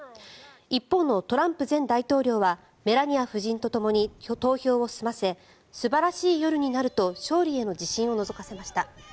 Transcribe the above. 一方のトランプ前大統領はメラニア夫人とともに投票を済ませ素晴らしい夜になると勝利への自信をのぞかせました。